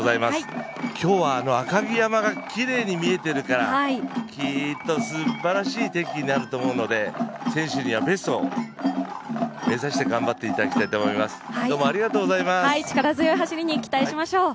今日は赤城山がきれいに見えてるからきっとすっばらしい天気になると思うので選手にはベストを目指して頑張っていただきたいと思います、どうもありがとうございます。